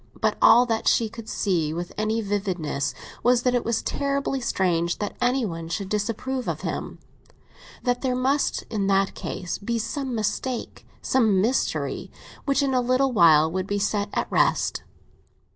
But all that she could see with any vividness was that it was terribly strange that anyone should disapprove of him; that there must in that case be some mistake, some mystery, which in a little while would be set at rest.